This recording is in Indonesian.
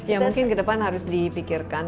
ya mungkin kedepan harus dipikirkan